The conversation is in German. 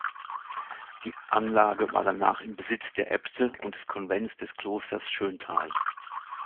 Die Anlage war danach im Besitz der Äbte und des Konvents des Klosters Schöntal.